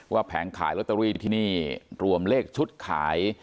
ว่าแผงขายโรตะรีที่นี่รวมเลขชุดขาย